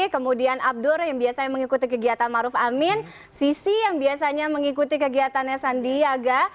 kemudian abdur yang biasanya mengikuti kegiatan maruf amin sisi yang biasanya mengikuti kegiatannya sandiaga